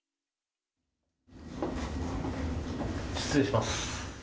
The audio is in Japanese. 失礼します。